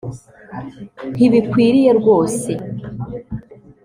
Ntibikwiriye rwose